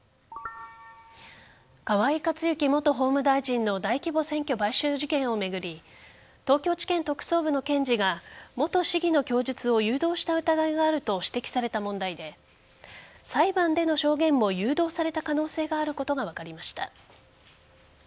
河井克行元法務大臣の大規模選挙買収事件を巡り東京地検特捜部の検事が元市議の供述を誘導した疑いがあると指摘された問題で裁判での証言も誘導された可能性があることが分かりました。